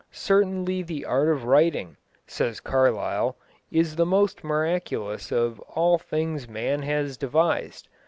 "Certainly the Art of Writing," says Carlyle, "is the most miraculous of all things man has devised....